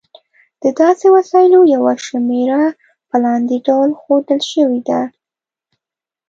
د داسې وسایلو یوه شمېره په لاندې ډول ښودل شوې ده.